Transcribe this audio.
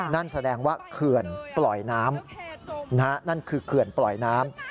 นั่นแสดงว่าเขื่อนปล่อยน้ำนั่นคือเขื่อนปล่อยน้ำ